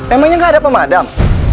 emangnya gak ada pemadam